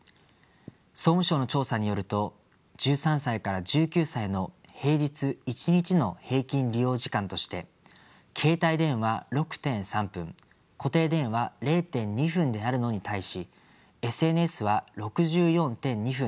総務省の調査によると１３歳から１９歳の平日１日の平均利用時間として携帯電話６．３分固定電話０．２分であるのに対しＳＮＳは６４．２分でした。